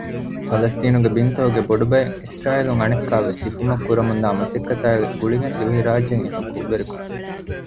ފަލަސްތީނުގެ ބިންތަކުގެ ބޮޑު ބައެއް އިސްރާއީލުން އަނެއްކާވެސް ހިފުމަށް ކުރަމުންދާ މަސައްކަތާ ގުޅިގެން ދިވެހިރާއްޖެއިން އެކަން ކުށްވެރިކޮށްފި